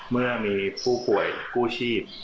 เมื่อมีผู้ป่วยกู้ชีพ